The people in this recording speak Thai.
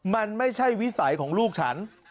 มันไม่ใช่วิสัยของลูกฉัน